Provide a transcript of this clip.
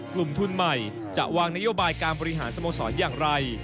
กลุ่มทุนใหม่จะวางนโยบายการบริหารสโมสรอย่างไร